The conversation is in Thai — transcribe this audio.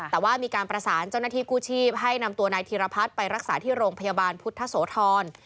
แต่ว่ามีการประสานเจ้าหน้าที่กู้ชีพให้นำตัวนายธีรพัฒน์ไปรักษาที่โรงพยาบาลพุทธโสธร